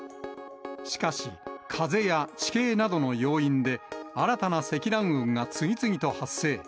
しかし、風や地形などの要因で、新たな積乱雲が次々と発生。